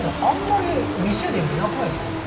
あんまり店で見なくないすか？